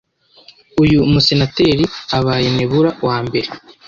uyu musenateri abaye Nebura wambere